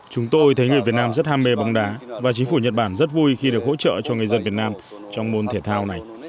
chúng tôi thấy người việt nam rất ham mê bóng đá và chính phủ nhật bản rất vui khi được hỗ trợ cho người dân việt nam trong môn thể thao này